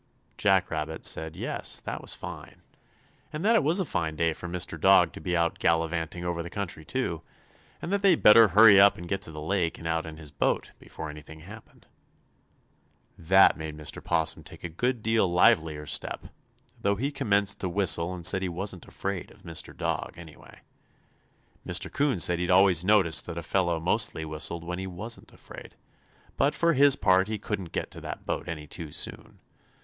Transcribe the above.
Jack Rabbit said yes, that it was fine, and that it was a fine day for Mr. Dog to be out gallivanting over the country, too, and that they'd better hurry up and get to the lake and out in his boat before anything happened. That made Mr. 'Possum take a good deal livelier step, though he commenced to whistle and said he wasn't afraid of Mr. Dog, anyway. Mr. 'Coon said he'd always noticed that a fellow mostly whistled when he wasn't afraid, but for his part he couldn't get to that boat any too soon.